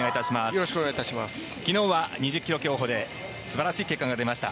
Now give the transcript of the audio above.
昨日は２０ｋｍ競歩で素晴らしい結果が出ました。